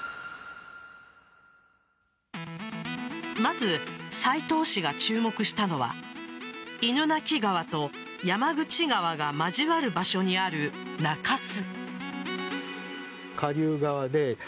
まず、斎藤氏が注目したのは犬鳴川と山口川が交わる場所にある中州。